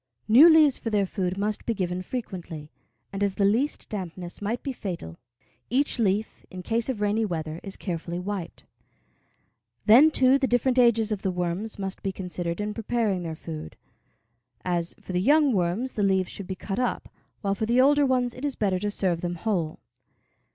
New leaves for their food must be given frequently, and as the least dampness might be fatal, each leaf, in case of rainy weather, is carefully wiped. Then, too, the different ages of the worms must be considered in preparing their food; as, for the young worms, the leaves should be cut up, while for the older ones it is better to serve them whole.